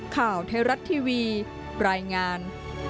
ข่าวไทยรัฐทีวีรายงาน